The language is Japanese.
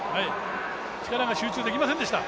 力が集中できませんでした。